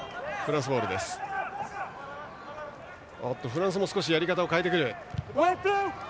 フランスもやり方を変えてくる。